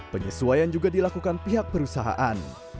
penyesuaian juga dilakukan pihak perusahaan